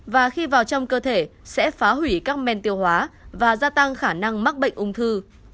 và khi vào trong cơ thể sẽ phá hủy các men tiêu hóa và gia tăng khả năng mắc bệnh ung thư